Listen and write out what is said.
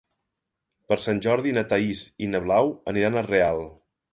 Per Sant Jordi na Thaís i na Blau aniran a Real.